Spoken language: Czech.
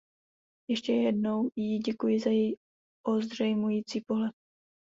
Ještě jednou jí děkuji za její ozřejmující pohled.